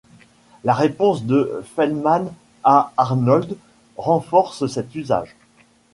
La réponse de Feldman à Arnold renforce cet usage.